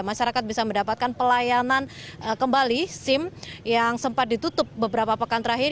masyarakat bisa mendapatkan pelayanan kembali sim yang sempat ditutup beberapa pekan terakhir